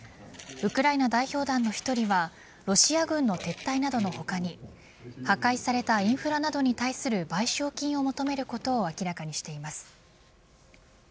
ウクライナ代表団の１人はロシア軍の撤退などの他に破壊されたインフラなどに対する賠償金を求めることを明らかにしています。